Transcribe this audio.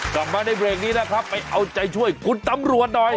กลับมาในเบรกนี้นะครับไปเอาใจช่วยคุณตำรวจหน่อย